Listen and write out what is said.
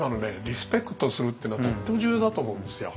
「リスペクトする」ってのはとっても重要だと思うんですよ。